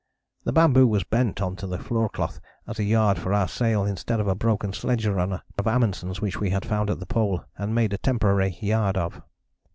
The bamboo was bent on to the floor cloth as a yard for our sail instead of a broken sledge runner of Amundsen's which we had found at the Pole and made a temporary yard of.